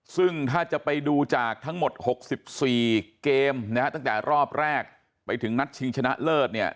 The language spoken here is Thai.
ซึ่งถ้าจะไปดูจากทั้งหมด๖๔เกมนะฮะตั้งแต่รอบแรกไปถึงนัดชิงชนะเลิศเนี่ย